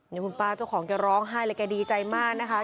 นี่คุณป้าเจ้าของแกร้องไห้เลยแกดีใจมากนะคะ